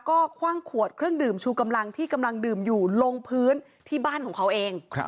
ก็คว่างขวดเครื่องดื่มชูกำลังที่กำลังดื่มอยู่ลงพื้นที่บ้านของเขาเอง